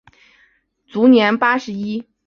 卒年八十一。